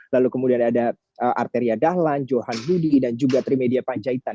lalu kemudian ada arteria dahlan johan budi dan juga trimedia panjaitan